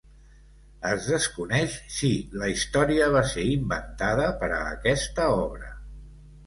Es desconeix si la història va ser inventada per a aquesta obra.